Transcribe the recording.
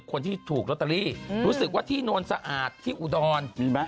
คนที่ถูกลอตเตอรี่รู้สึกว่าที่โนนสะอาดที่อุดรมีไหม